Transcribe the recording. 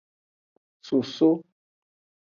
Soso.